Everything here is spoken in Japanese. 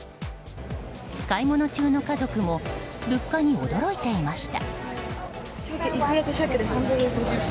買い物中の家族も物価に驚いていました。